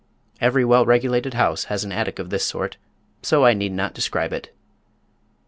Every well regulated house has an attic of this sort, so I need not describe it.